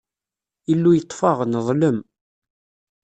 Illu yeṭṭef-aɣ, neḍlem.